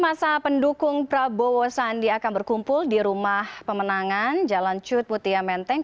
masa pendukung prabowo sandi akan berkumpul di rumah pemenangan jalan cut mutia menteng